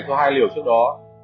cho hai liều trước đó